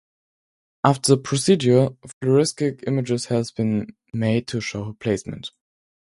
After the procedure, fluoroscopic images are made to show placement.